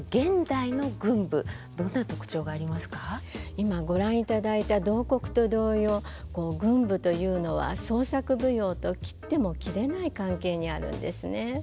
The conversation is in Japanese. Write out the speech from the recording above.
今ご覧いただいた「慟哭」と同様群舞というのは創作舞踊と切っても切れない関係にあるんですね。